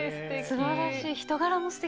すばらしい。